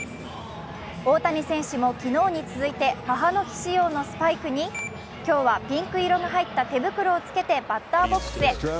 大谷選手も昨日に続いて母の日仕様のスパイクに、今日はピンク色が入った手袋を着けてバッターボックスへ。